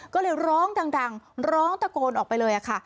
ก็เลยร้องดังร้องตะโกนออกไปเลยค่ะ